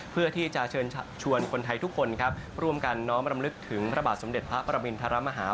เพื่อที่จะเชิญชวนคนไทยทุกคนครับร่วมกันน้อมรำลึกถึงพระบาทสมเด็จพระประมินทรมาฮา